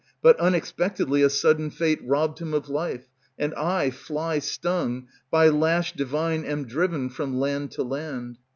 But unexpectedly a sudden fate Robbed him of life; and I, fly stung, By lash divine am driven from land to land.